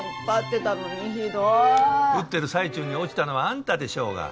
打ってる最中に落ちたのはあんたでしょうが。